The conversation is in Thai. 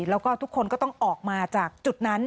แล้วก็ทุกคนก็ต้องออกมาจากจุดนั้น